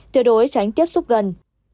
tuyệt đối tránh tiếp xúc gần